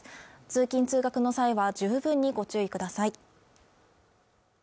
通勤通学の際は十分にご注意ください